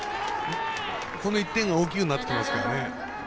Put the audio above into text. この１点が大きくなってきますからね。